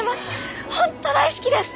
ホント大好きです！